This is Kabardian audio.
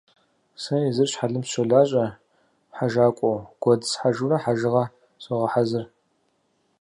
Сэ езыр щхьэлым сыщолажьэ хьэжакӏуэу, гуэдз схьэжурэ хэжыгъэ согъэхьэзыр.